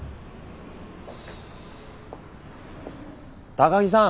高木さん。